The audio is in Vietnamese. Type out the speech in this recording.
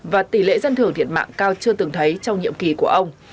và tỷ lệ dân thưởng thiệt mạng cao chưa từng thấy trong nhiệm kỳ của ông